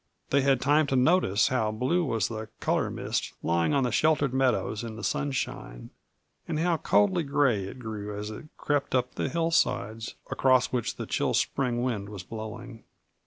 They had time to notice how blue was the color mist lying on the sheltered meadows in the sunshine, and how coldly gray it grew as it crept up the hillsides across which the chill spring wind was blowing.